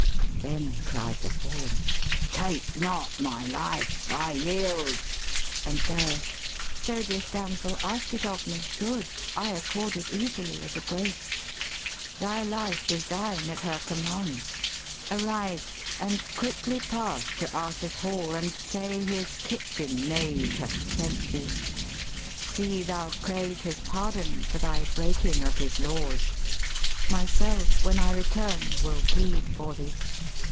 Then cried the fall'n, 'Take not my life: I yield.' And Gareth, 'So this damsel ask it of me Good I accord it easily as a grace. Thy life is thine at her command. Arise And quickly pass to Arthur's hall, and say His kitchen knave hath sent thee. See thou crave His pardon for thy breaking of his laws. Myself, when I return, will plead for thee.